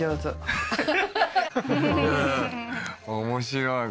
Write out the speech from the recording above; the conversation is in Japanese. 面白い